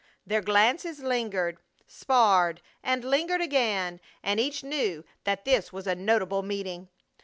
Their glances lingered, sparred and lingered again, and each knew that this was a notable meeting.